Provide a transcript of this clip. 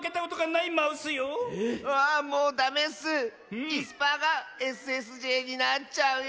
いすパーがＳＳＪになっちゃうよ。